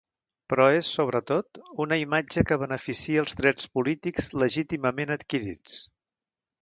Però és, sobretot, una imatge que beneficia els drets polítics legítimament adquirits.